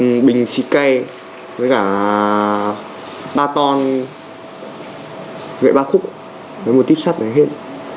một bình xịt cây với cả ba ton gậy ba khúc với một tiếp sắt này hết